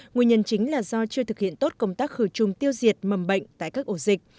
nguyên nhân chính là do chưa thực hiện tốt công tác khử trùng tiêu diệt mầm bệnh tại các ổ dịch